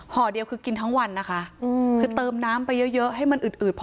ห่อเดียวคือกินทั้งวันนะคะคือเติมน้ำไปเยอะให้มันอืดอืดพอ